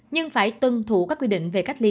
nhưng phải tuân thủ các quyền